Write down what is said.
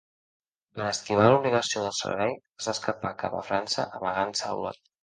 Per esquivar l’obligació del servei es va escapar cap a França amagant-se a Olot.